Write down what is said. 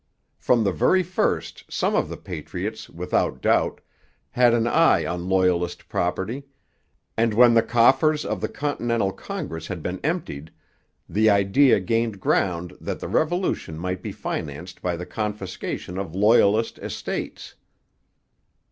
From the very first some of the patriots, without doubt, had an eye on Loyalist property; and when the coffers of the Continental Congress had been emptied, the idea gained ground that the Revolution might be financed by the confiscation of Loyalist estates.